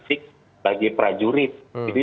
karena memang kebutuhan operasi